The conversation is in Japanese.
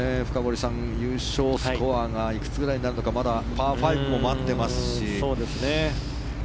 深堀さん優勝スコアがいくつぐらいになるのかまだパー５も待っていますし。